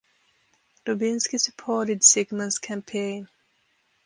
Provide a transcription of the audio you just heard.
Dubinsky supported Sigman's campaign.